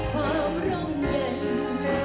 แต่ก็แหละจงต้นจำได้ทุกอย่าง